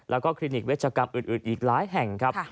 แล้วก็คลินิกเวชกรรมอื่นอีกหลายแห่งครับ